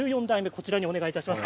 こちらにお願いいたします。